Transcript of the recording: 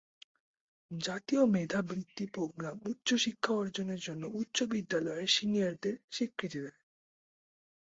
জাতীয় মেধা বৃত্তি প্রোগ্রাম উচ্চ শিক্ষা অর্জনের জন্য উচ্চ বিদ্যালয়ের সিনিয়রদের স্বীকৃতি দেয়।